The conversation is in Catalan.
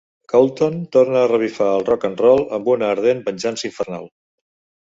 Ghoultown torna a revifar el rock-and-roll amb una ardent venjança infernal!